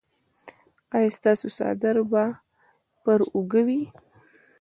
ایا ستاسو څادر به پر اوږه وي؟